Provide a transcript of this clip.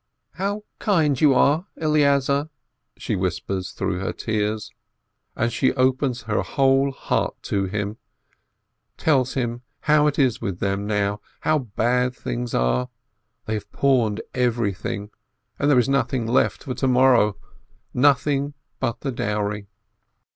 "How kind you are, Eleazar," she whispers through her tears. And she opens her whole heart to him, tells him how it is with them now, how bad things are, they have pawned everything, and there is nothing left for to morrow, nothing but the dowry